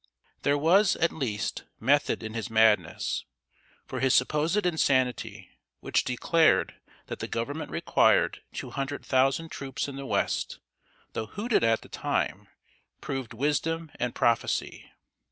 There was, at least, method in his madness; for his supposed insanity which declared that the Government required two hundred thousand troops in the West, though hooted at the time, proved wisdom and prophecy.